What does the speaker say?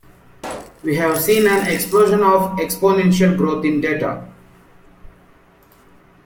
We have seen an explosion of exponential growth in data.